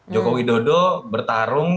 joko widodo bertarung